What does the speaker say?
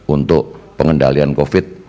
untuk pengendalian covid sembilan belas